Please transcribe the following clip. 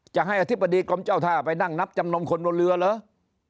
จะให้อธิบดีกรมเจ้าท่าไปนั่งนับจำนมคนบนเรือเหรอ